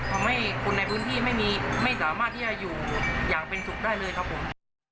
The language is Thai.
ทำให้คนในพื้นที่ไม่สามารถที่จะอยู่อย่างเป็นสุขได้เลยครับผม